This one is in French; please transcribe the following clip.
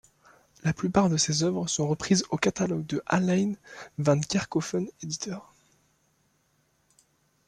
La plupart de ses œuvres sont reprises au catalogue de Alain Van Kerckhoven Éditeur.